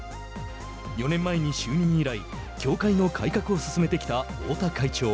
４年前に就任以来協会の改革を進めてきた太田会長。